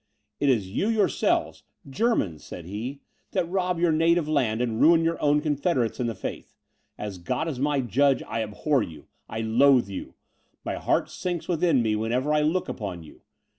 "It is you yourselves, Germans," said he, "that rob your native country, and ruin your own confederates in the faith. As God is my judge, I abhor you, I loathe you; my heart sinks within me whenever I look upon you.